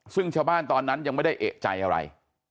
ซึ่งชาวบ้านตอนนั้นยังไม่ได้เอกใจอะไร